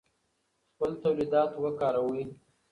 خپل تولیدات وکاروئ.